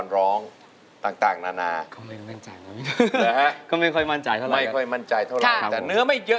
ร้องได้หรือไม่